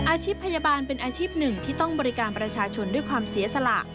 อาชีพพยาบาลเป็นอาชีพหนึ่งที่ต้องบริการประชาชนด้วยความเสียสละ